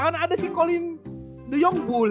akan ada si collin de jonggboul